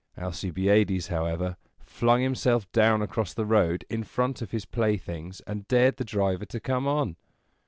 Alcibiades, however, flung himself down across the road, in front of his playthings, and dared the driver to come on.